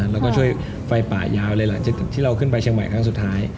แล้วก็ช่วยไฟป่ายาวเลยหลังจากที่เราขึ้นไปเชียงใหม่ครั้งสุดท้าย